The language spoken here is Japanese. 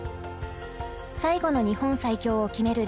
最後の日本最強を決める